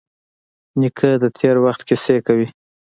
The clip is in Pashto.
نیکه د تېر وخت کیسې کوي.